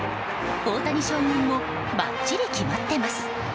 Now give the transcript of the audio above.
大谷将軍もばっちり決まっています。